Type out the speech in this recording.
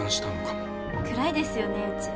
暗いですよねうち。